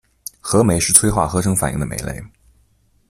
合酶是催化合成反应的酶类。